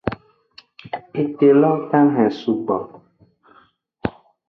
Ete lo dahen sugbo.